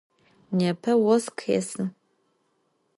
Nêpe vos khêsı.